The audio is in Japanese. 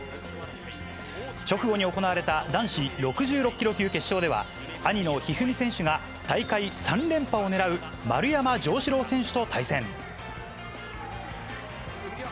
直後に行われた男子６６キロ級決勝では、兄の一二三選手が、大会３連覇を狙う丸山城志郎選手と対戦。